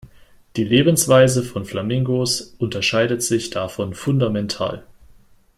Die Lebensweise von Flamingos unterscheidet sich davon fundamental.